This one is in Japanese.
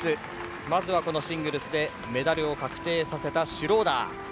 まずはシングルスでメダルを確定させたシュローダー。